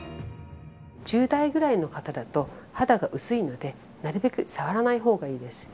１０代ぐらいの方だと肌が薄いのでなるべく触らない方がいいです。